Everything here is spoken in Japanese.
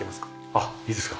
あっいいですか？